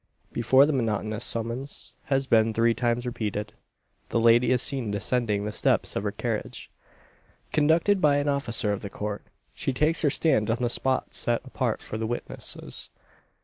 Before the monotonous summons has been three times repeated, the lady is seen descending the steps of her carriage. Conducted by an officer of the Court, she takes her stand on the spot set apart for the witnesses.